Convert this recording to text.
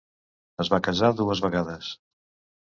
Es va casar dues vegades.